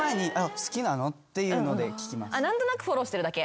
何となくフォローしてるだけ。